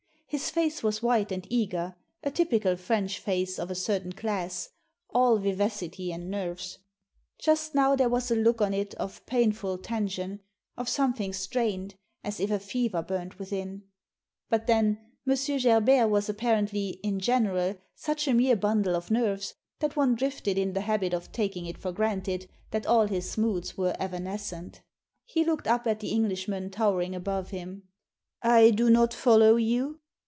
His face was white and eager, a typical French face of a certain class, all vivacity and nerves. Just now there was a look on it of painful tension, of something strained, as if a fever burned within. But then, M. Gerbert was apparently, in general, such a mere bundle of nerves that one drifted in the habit of taking it for granted that all his moods were evanescent He looked up at the Englishman towering above him. " I do not follow you."